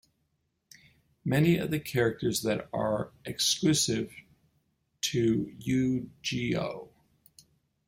Many of the characters that are exclusive to Yu-Gi-Oh!